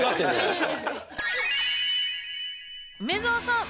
梅澤さん。